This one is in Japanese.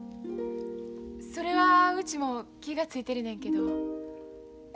それはうちも気が付いてるねんけど。